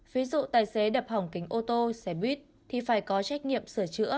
ví dụ tài xế đập hỏng kính ô tô xe buýt thì phải có trách nhiệm sửa chữa